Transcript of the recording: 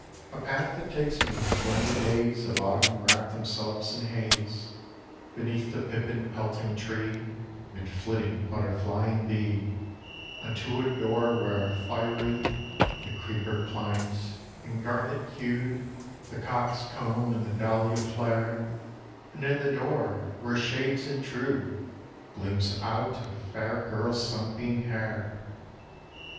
A path that takes me, when the days Of autumn wrap themselves in haze, Beneath the pippin pelting tree, 'Mid flitting butterfly and bee; Unto a door where, fiery, The creeper climbs; and, garnet hued, The cock's comb and the dahlia flare, And in the door, where shades intrude, Gleams out a fair girl's sunbeam hair.